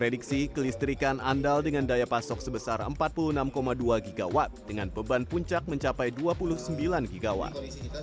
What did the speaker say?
dengan beban puncak mencapai dua puluh sembilan gigawatt